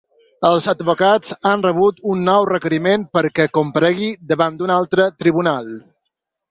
Els advocats han rebut un nou requeriment perquè comparegui davant d’un altre tribunal.